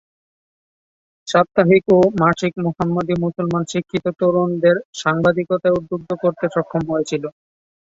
সাপ্তাহিক ও মাসিক মোহাম্মদী মুসলমান শিক্ষিত তরুণদের সাংবাদিকতায় উদ্বুদ্ধ করতে সক্ষম হয়েছিল।